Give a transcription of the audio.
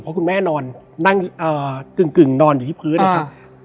เพราะคุณแม่นอนนั่งกึ่งนอนอยู่ที่พื้นนะครับ